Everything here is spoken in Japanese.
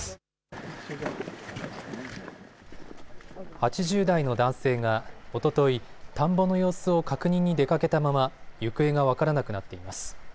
８０代の男性がおととい田んぼの様子を確認に出かけたまま行方が分からなくなっています。